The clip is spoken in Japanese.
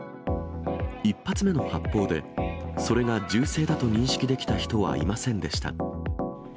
１発目の発砲で、それが銃声だと認識できた人はいませんでした。